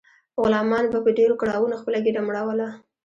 غلامانو به په ډیرو کړاوونو خپله ګیډه مړوله.